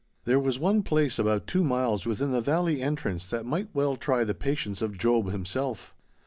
There was one place about two miles within the valley entrance that might well try the patience of Job himself.